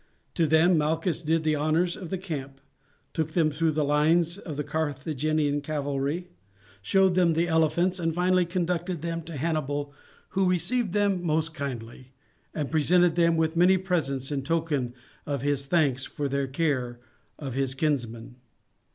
To them Malchus did the honours of the camp, took them through the lines of the Carthaginian cavalry, showed them the elephants, and finally conducted them to Hannibal, who received them most kindly, and presented them with many presents in token of his thanks for their care of his kinsman.